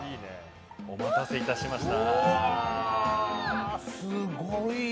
お待たせいたしました。